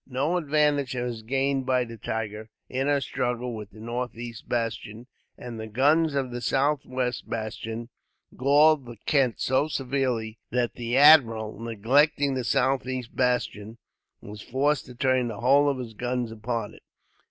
No advantage was gained by the Tiger, in her struggle with the northeast bastion, and the guns of the southwest bastion galled the Kent so severely that the admiral, neglecting the southeast bastion, was forced to turn the whole of his guns upon it.